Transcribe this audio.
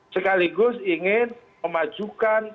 sekaligus ingin memajukan